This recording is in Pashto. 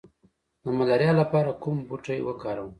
د ملاریا لپاره کوم بوټی وکاروم؟